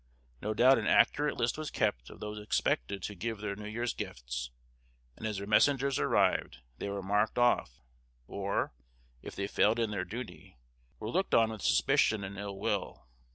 No doubt an accurate list was kept of those expected to give their New Year's Gifts, and as their messengers arrived they were marked off; or, if they failed in their duty, were looked on with suspicion and ill will.